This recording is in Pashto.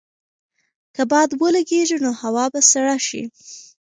که باد ولګېږي نو هوا به سړه شي.